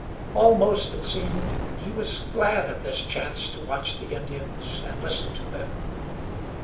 Almost, it seemed, he was glad of this chance to watch the Indians and listen to them.